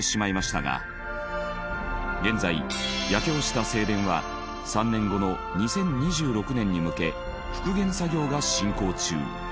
現在焼け落ちた正殿は３年後の２０２６年に向け復元作業が進行中。